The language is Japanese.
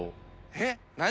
えっ何？